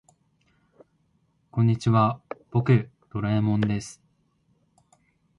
こんにちは、僕はドラえもんです。